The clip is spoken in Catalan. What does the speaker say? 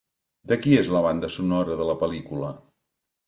De qui és la banda sonora de la pel·lícula?